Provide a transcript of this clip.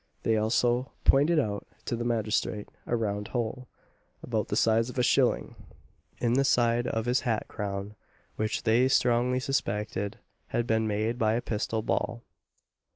They also pointed out to the magistrate a round hole, about the size of a shilling, in the side of his hat crown, which they strongly suspected had been made by a pistol ball.